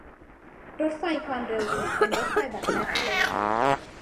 รถไฟความเร็วสูงเป็นรถไฟแบบแม็กเลฟ